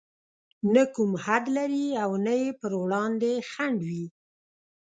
نه کوم حد لري او نه يې پر وړاندې خنډ وي.